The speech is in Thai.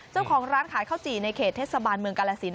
เจ้าของร้านขายข้าวจี่ในเขตเทศบาลเมืองกาลสิน